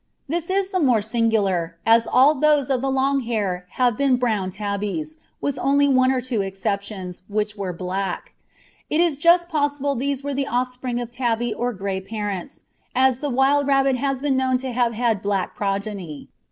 This is the more singular as all those of the long hair have been brown tabbies, with only one or two exceptions, which were black. It is just possible these were the offspring of tabby or gray parents, as the wild rabbit has been known to have had black progeny.